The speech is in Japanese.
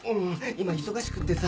今忙しくってさ。